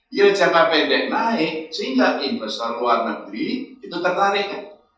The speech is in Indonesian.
yield jangka pendek naik sehingga investor luar negeri itu tertarik